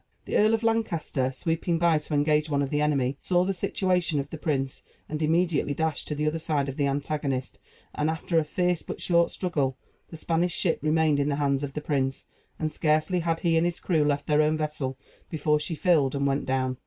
The Earl of Lancaster, sweeping by to engage one of the enemy, saw the situation of the prince, and immediately dashed to the other side of the antagonist, and after a fierce but short struggle, the Spanish ship remained in the hands of the prince; and scarcely had he and his crew left their own vessel, before she filled and went down.